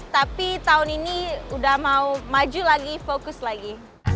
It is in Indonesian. tapi tahun ini udah mau maju lagi fokus lagi